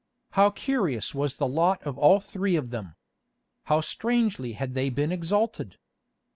How curious was the lot of all three of them! How strangely had they been exalted!